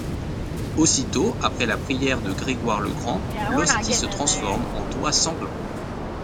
Aussitôt après la prière de Grégoire le Grand, l'hostie se transforme en doigt sanglant.